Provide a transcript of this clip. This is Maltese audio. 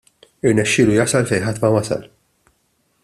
Irnexxielu jasal fejn ħadd ma wasal.